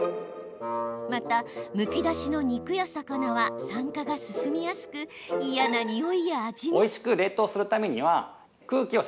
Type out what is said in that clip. またむき出しの肉や魚は酸化が進みやすく嫌なにおいや味に。